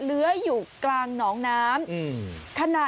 เลื้อยอยู่กลางหนองน้ำ